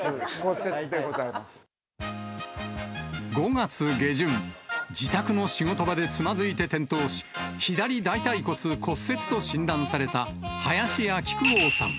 ５月下旬、自宅の仕事場でつまずいて転倒し、左大たい骨骨折と診断された林家木久扇さん。